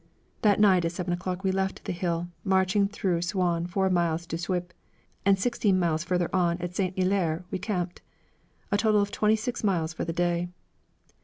That night at seven o'clock we left the hill, marched through Souain four miles to Suippes, and sixteen miles farther on, at St. Hilaire, we camped. A total of twenty six miles for the day.